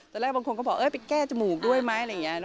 ตอนแรกบางคนก็บอกไปแก้จมูกด้วยไหมอะไรอย่างนี้